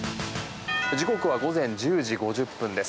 時刻は午前１０時５０分です。